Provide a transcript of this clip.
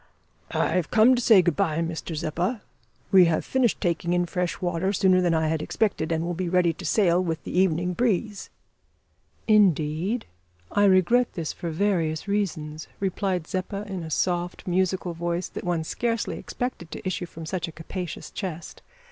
"I have come to say good bye, Mr Zeppa. We have finished taking in fresh water sooner than I had expected, and will be ready to sail with the evening breeze." "Indeed? I regret this for various reasons" replied Zeppa, in a soft musical voice, that one scarcely expected to issue from such a capacious chest.